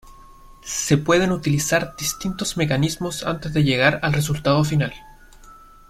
Se pueden utilizar distintos mecanismos antes de llegar al resultado final.